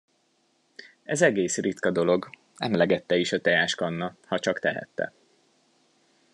Ez egész ritka dolog, emlegette is a teáskanna, hacsak tehette.